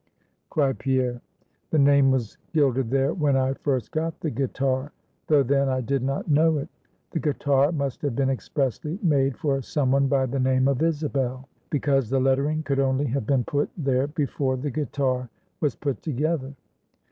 cried Pierre. "The name was gilded there when I first got the guitar, though then I did not know it. The guitar must have been expressly made for some one by the name of Isabel; because the lettering could only have been put there before the guitar was put together."